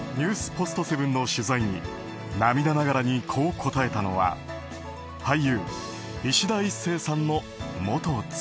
ポストセブンの取材に涙ながらにこう答えたのは俳優・いしだ壱成さんの元妻。